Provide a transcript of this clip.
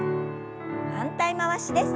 反対回しです。